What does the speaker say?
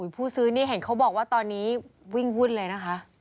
ผู้ซื้อนี่เห็นเขาบอกว่าตอนนี้วิ่งวุ่นเลยนะคะ